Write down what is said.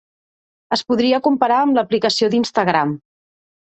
Es podria comparar amb l’aplicació d’Instagram.